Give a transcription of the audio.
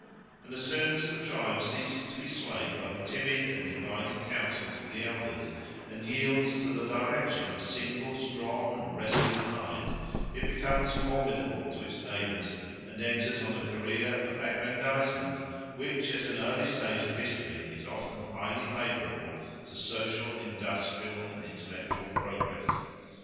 And as soon as the tribe ceases to be swayed by the timid and divided counsels of the elders, and yields to the direction of a single strong and resolute mind, it becomes formidable to its neighbours and enters on a career of aggrandisement, which at an early stage of history is often highly favourable to social, industrial, and intellectual progress.